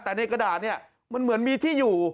แต่ในกระดาษเนี่ยมันเหมือนมีที่อยู่